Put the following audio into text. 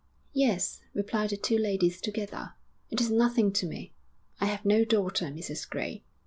'Yes,' replied the two ladies together. 'It is nothing to me.... I have no daughter, Mrs Gray.'